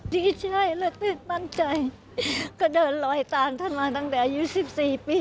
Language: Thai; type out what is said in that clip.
ดีใจและตื่นมั่นใจก็เดินลอยตามท่านมาตั้งแต่อายุ๑๔ปี